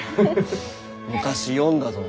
昔読んだぞ。